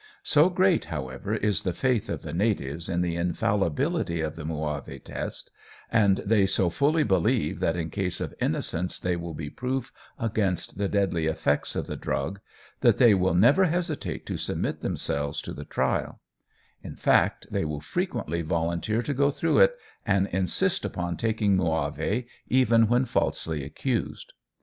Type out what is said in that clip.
So great, however, is the faith of the natives in the infallibility of the Muavi test, and they so fully believe that in case of innocence they will be proof against the deadly effects of the drug, that they will never hesitate to submit themselves to the trial; in fact, they will frequently volunteer to go through it, and insist upon taking muavi even when falsely accused.